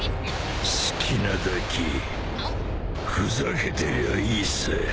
好きなだけふざけてりゃいいさ。